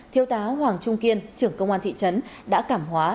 thiêu tá hoàng trung kiên trưởng công an thị trấn đã cảm hóa